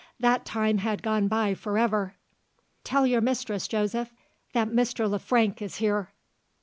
That time had gone by for ever. "Tell your mistress, Joseph, that Mr. Le Frank is here."